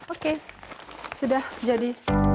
oke sudah jadi